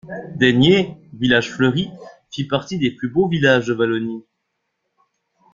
Deigné, village fleuri, fit partie des plus beaux villages de Wallonie.